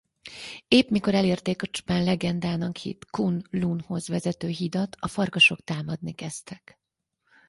Éppen mikor elérték a csupán legendának hitt K’un-Lunhoz vezető hidat a farkasok támadni kezdtek.